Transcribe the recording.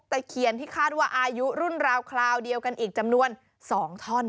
เคียนที่คาดว่าอายุรุ่นราวคราวเดียวกันอีกจำนวน๒ท่อน